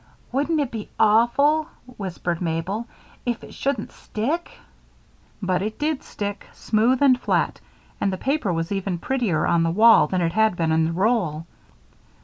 "Wouldn't it be awful," whispered Mabel, "if it shouldn't stick?" But it did stick, smooth and flat, and the paper was even prettier on the wall than it had been in the roll.